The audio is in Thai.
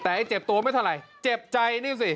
แต่ไอ้เจ็บตัวไม่เท่าไหร่เจ็บใจนี่สิ